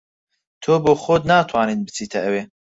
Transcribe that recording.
تۆ بە خۆت ناتوانیت بچیتە ئەوێ.